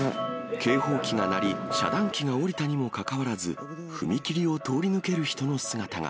警報機が鳴り、遮断機が下りたにもかかわらず、踏切を通り抜ける人の姿が。